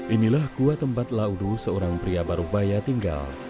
inilah gua tempat laudu seorang pria baru bayar tinggal